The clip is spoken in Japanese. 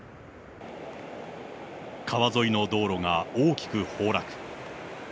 川沿いの道路が大きく崩落。